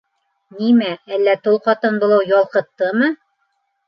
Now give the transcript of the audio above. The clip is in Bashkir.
Нимә, әллә тол ҡатын булыу ялҡыттымы?